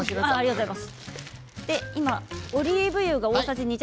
オリーブ油が大さじ２弱